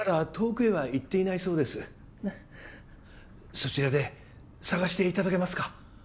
そちらで捜していただけますか？